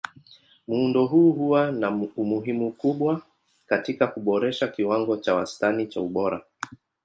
Muundo huu huwa na umuhimu mkubwa katika kuboresha kiwango cha wastani cha ubora.